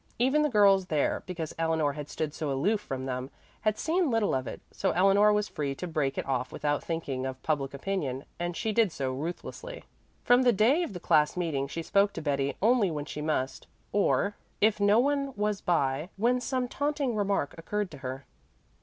Even the girls there, because Eleanor had stood so aloof from them, had seen little of it, so Eleanor was free to break it off without thinking of public opinion, and she did so ruthlessly. From the day of the class meeting she spoke to Betty only when she must, or, if no one was by, when some taunting remark occurred to her.